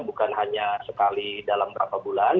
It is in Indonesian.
bukan hanya sekali dalam berapa bulan